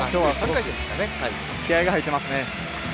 気合いが入っていますね。